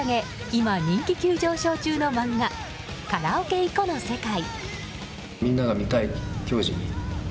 今、人気急上昇中の漫画「カラオケ行こ！」の世界。